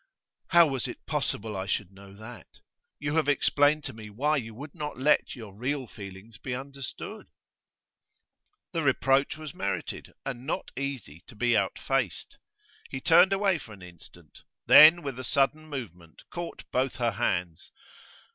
'How was it possible I should know that? You have explained to me why you would not let your real feelings be understood.' The reproach was merited, and not easy to be outfaced. He turned away for an instant, then with a sudden movement caught both her hands.